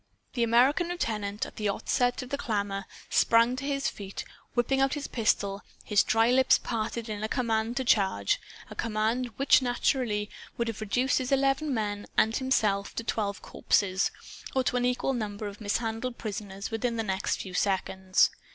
The American lieutenant, at the onset of the clamor, sprang to his feet, whipping out his pistol; his dry lips parted in a command to charge a command which, naturally, would have reduced his eleven men and himself to twelve corpses or to an equal number of mishandled prisoners within the next few seconds.